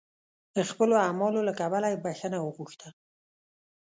خپلو اعمالو له کبله یې بخښنه وغوښته.